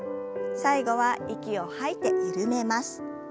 最後は息を吐いて緩めます。